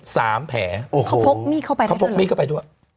สามแผลโอ้เขาพกมีดเข้าไปเขาพกมีดเข้าไปด้วย